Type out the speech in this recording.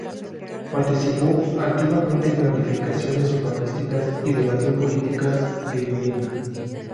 Participó activamente en planificaciones urbanísticas y debatió políticas de vivienda.